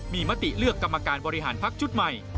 มีมติเลือกกรรมการบริหารพักชุดใหม่